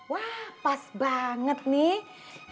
wah pas banget nih